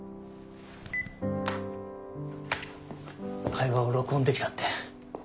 会話を録音できたって。